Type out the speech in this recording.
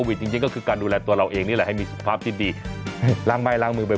จริงจริงก็คือการดูแลตัวเราเองนี่แหละให้มีสุขภาพที่ดีล้างไม้ล้างมือบ่อย